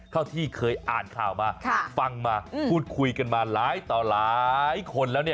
ที่เคยอ่านข่าวมาฟังมาพูดคุยกันมาหลายต่อหลายคนแล้ว